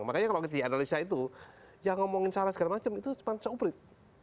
makanya kalau kita dianalisa itu yang ngomongin segala macam itu cuman seuprit